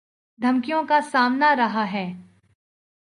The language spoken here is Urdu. دھمکیوں کا سامنا رہا ہے